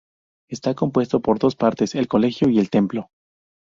Está compuesto por dos partes: el colegio y el templo.